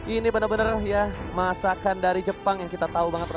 ini benar benar ya masakan dari jepang yang kita tahu banget